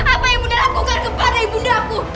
apa ibunda lakukan kepada ibundaku